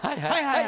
はい！